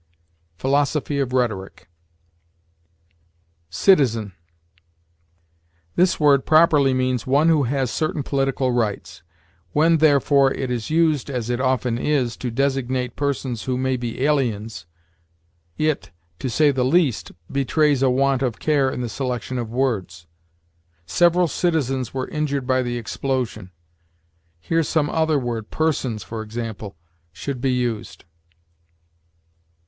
"Philosophy of Rhetoric." CITIZEN. This word properly means one who has certain political rights; when, therefore, it is used, as it often is, to designate persons who may be aliens, it, to say the least, betrays a want of care in the selection of words. "Several citizens were injured by the explosion." Here some other word persons, for example should be used.